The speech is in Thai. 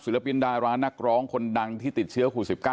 ศึลปินดารานักร้องคนดังที่ติดเชื้อภูหิตสิบเก้า